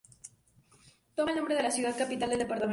Toma el nombre de la ciudad capital del departamento.